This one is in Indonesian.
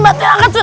bantuin angkat sun